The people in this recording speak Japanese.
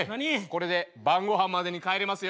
これで晩ごはんまでに帰れますよ。